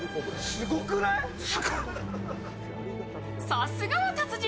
さすがは達人。